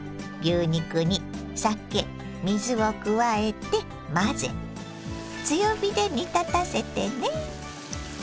牛肉に酒水を加えて混ぜ強火で煮立たせてね。